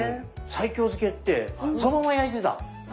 西京漬けってそのまま焼いてた。